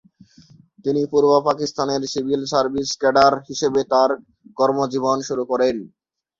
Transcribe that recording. তিনি পূর্ব পাকিস্তানের সিভিল সার্ভিস ক্যাডার হিসেবে তার কর্মজীবন শুরু করেন।